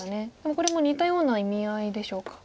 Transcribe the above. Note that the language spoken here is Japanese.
これも似たような意味合いでしょうか。